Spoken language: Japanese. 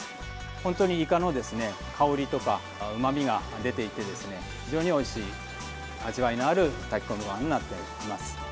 本当にイカの香りとかうまみが出ていて非常においしい、味わいのある炊き込みごはんになっています。